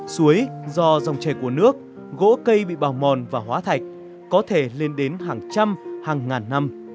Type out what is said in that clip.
suối do dòng trẻ của nước gỗ cây bị bào mòn và hóa thạch có thể lên đến hàng trăm hàng ngàn năm